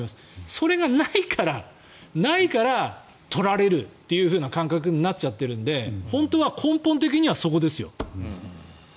それがないから取られるという感覚になっちゃってるんで本当は根本的にはそこですよ。